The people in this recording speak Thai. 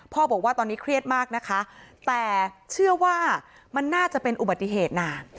บอกว่าตอนนี้เครียดมากนะคะแต่เชื่อว่ามันน่าจะเป็นอุบัติเหตุนะ